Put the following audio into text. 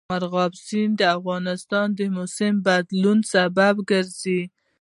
مورغاب سیند د افغانستان د موسم د بدلون سبب کېږي.